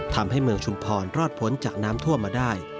ทำให้เมืองชุมพรรอดพ้นจากน้ำท่วมมาได้